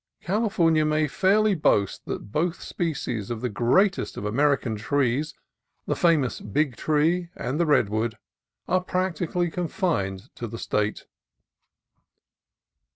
California may fairly boast that both species of the greatest of American trees, the famous "big tree" and the redwood, are practically confined to the State.